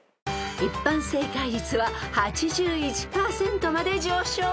［一般正解率は８１％まで上昇］